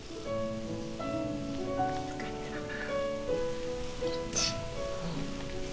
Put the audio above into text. お疲れさま。